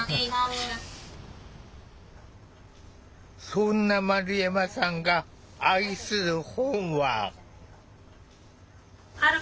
そんな丸山さんが愛する本は。